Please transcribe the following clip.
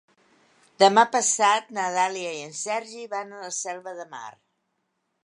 Demà passat na Dàlia i en Sergi van a la Selva de Mar.